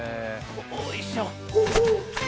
おいしょ。